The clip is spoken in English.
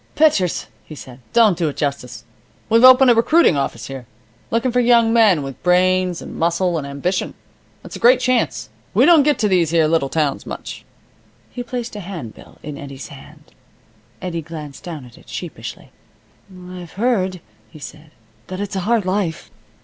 "Pitchers," he said, "don't do it justice. We've opened a recruiting office here. Looking for young men with brains, and muscle, and ambition. It's a great chance. We don't get to these here little towns much." He placed a handbill in Eddie's hand. Eddie glanced down at it sheepishly. "I've heard," he said, "that it's a hard life."